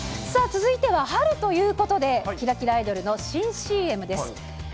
さあ、続いては春ということで、きらきらアイドルの新ＣＭです。